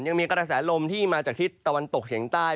ยังมีกระแสลมที่มาจากทิศตะวันตกเฉียงใต้